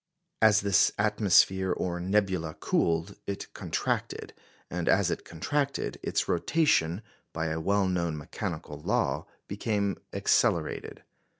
As this atmosphere or nebula cooled, it contracted; and as it contracted, its rotation, by a well known mechanical law, became accelerated.